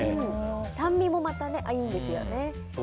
酸味もまたいいんですよね。